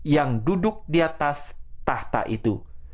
yang duduk di atas tahta itu